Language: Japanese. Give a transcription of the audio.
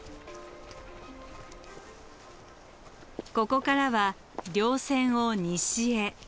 ここからは稜線を西へ。